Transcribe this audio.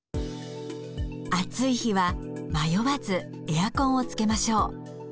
暑い日は迷わずエアコンをつけましょう。